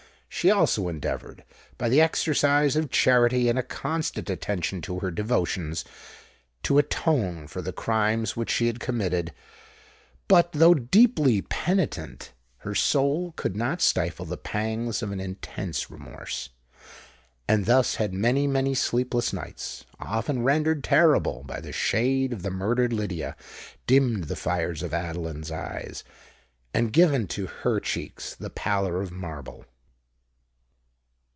She also endeavoured, by the exercise of charity and a constant attention to her devotions, to atone for the crimes which she had committed; but, though deeply penitent, her soul could not stifle the pangs of an intense remorse. And thus had many—many sleepless nights—often rendered terrible by the shade of the murdered Lydia—dimmed the fires of Adeline's eyes, and given to her cheeks the pallor of marble!